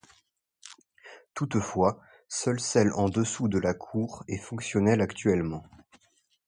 Toutefois, seule celle en dessous de la cour est fonctionnelle actuellement.